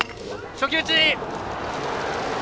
初球打ち。